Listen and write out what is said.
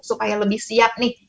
supaya lebih siap nih